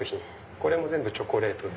これも全部チョコレートで。